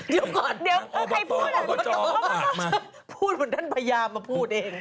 เดี๋ยวก่อนใครพูดพูดเหมือนท่านพญามาพูดเอง